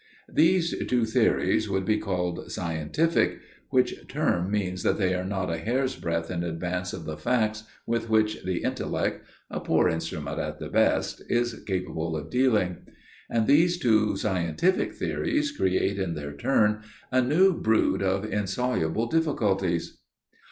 "These two theories would be called 'scientific,' which term means that they are not a hair's breadth in advance of the facts with which the intellect, a poor instrument at the best, is capable of dealing. And these two 'scientific' theories create in their turn a new brood of insoluble difficulties.